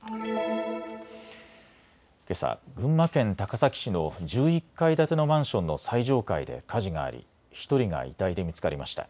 けさ群馬県高崎市の１１階建てのマンションの最上階で火事があり１人が遺体で見つかりました。